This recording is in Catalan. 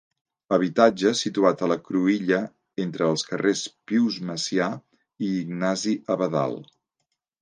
Habitatge situat a la cruïlla entre els carrers Pius Macià i Ignasi Abadal.